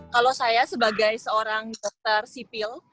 kalau saya sebagai seorang dokter sipil